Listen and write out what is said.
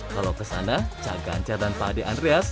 kalau kesana caganjar dan pak de andreas